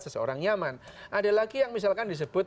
seseorang nyaman ada lagi yang misalkan disebut